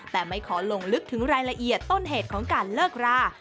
แต่ไม่ขอลงลึกถึงรายละเอียดต้นเหตุของการเลิกรา